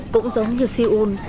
cũng giống như siu un